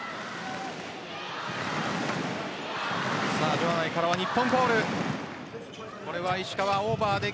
場内からは日本コールです。